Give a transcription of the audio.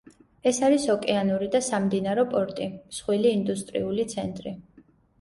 ეს არის ოკეანური და სამდინარო პორტი, მსხვილი ინდუსტრიული ცენტრი.